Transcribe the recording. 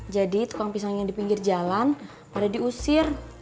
jadi tukang pisangnya di pinggir jalan pada diusir